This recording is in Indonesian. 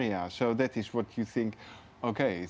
jadi itu yang anda pikirkan oke